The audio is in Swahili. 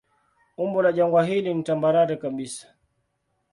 Umbo la jangwa hili ni tambarare kabisa.